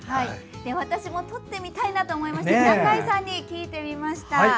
私も撮ってみたいと思いまして聞いてみました。